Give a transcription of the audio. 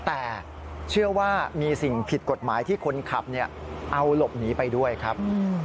แต่เชื่อว่ามีสิ่งผิดกฎหมายที่คนขับเอาหลบหนีไปด้วยครับ